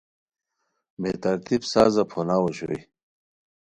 بے ترتیب سازا پھوناؤ اوشونی